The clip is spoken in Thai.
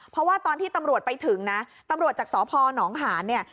เพราะว่าตอนที่ตำรวจไปถึงนะตำรวจจากสพนหานเนี่ย